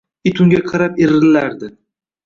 It unga qarab irrilardi.